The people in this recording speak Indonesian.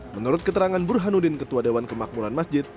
menurut keterangan burhanuddin ketua dewan kemakmuran masjid